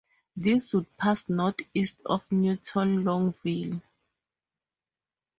This would pass north-east of Newton Longville.